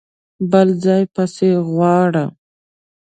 بل ځای يې پسې غواړه!